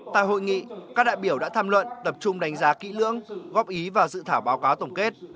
tại hội nghị các đại biểu đã tham luận tập trung đánh giá kỹ lưỡng góp ý và dự thảo báo cáo tổng kết